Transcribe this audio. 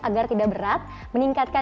agar tidak berat meningkatkan